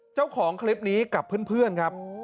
เจ้าของคลิปนี้กับเพื่อนครับ